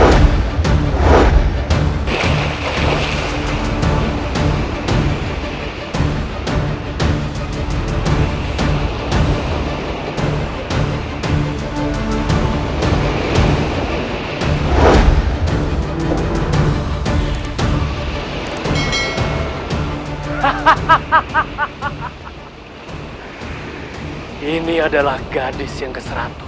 hai ini adalah gadis yang ke seratus